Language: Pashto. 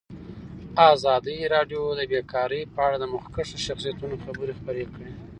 ازادي راډیو د بیکاري په اړه د مخکښو شخصیتونو خبرې خپرې کړي.